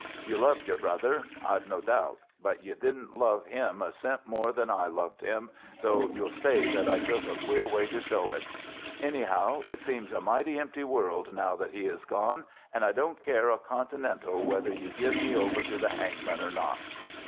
You loved your brother, I've no doubt; but you didn't love him a cent more than I loved him, though you'll say that I took a queer way to show it. Anyhow, it seems a mighty empty world now that he is gone, and I don't care a continental whether you give me over to the hangman or not.